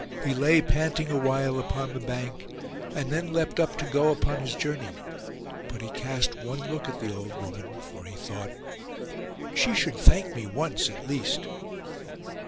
He lay panting awhile upon the bank, and then leapt up to go upon his journey; but he cast one look at the old woman, for he thought, 'She should thank me once at least.